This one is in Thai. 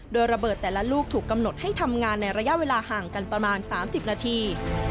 โดยระเบิดแต่ละลูกถูกกำหนดให้ทำงานในระยะเวลาห่างกันประมาณ๓๐นาที